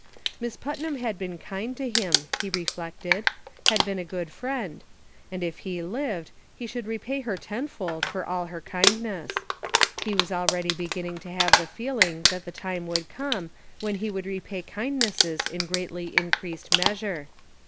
Miss Putnam had been kind to him, he reflected, had been a good friend ; and if he lived, he should repay her tenfold for all her kind ness ; he was already beginning to have the feel ing that the time would come when he could repay kindnesses in greatly increased measure.